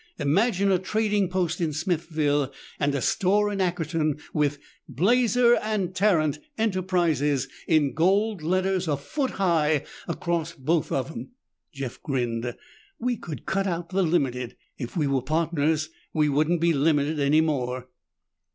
Imagine a trading post in Smithville and a store in Ackerton with BLAZER AND TARRANT ENTERPRISES in gold letters a foot high across both of 'em." Jeff grinned. "We could cut out the Ltd. If we were partners, we wouldn't be limited any more."